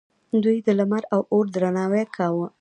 دوی د لمر او اور درناوی کاوه